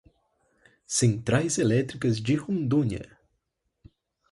Centrais Elétricas de Rondônia